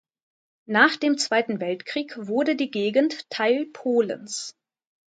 Nach dem Zweiten Weltkrieg wurde die Gegend Teil Polens.